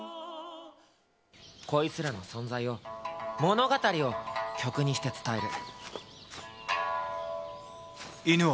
こいつらの存在を、物語を曲にして伝える。